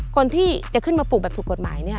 คนที่จะขึ้นมาปลูกแบบถูกกฎหมายเนี่ย